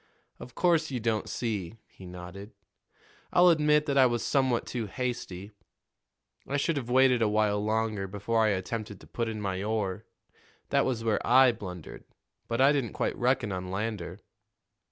"Of course, you don't see," he nodded. "I'll admit that I was somewhat too hasty. I should have waited a while longer before I attempted to put in my oar. That was where I blundered; but I didn't quite reckon on Lander."